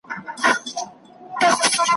د سزا ورکولو او لاسونو ,